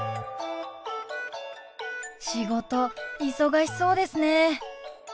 仕事忙しそうですね。